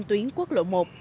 tuyến quốc lộ một